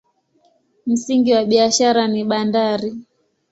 Msingi wa biashara ni bandari.